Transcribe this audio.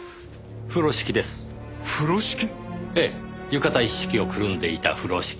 浴衣一式をくるんでいた風呂敷。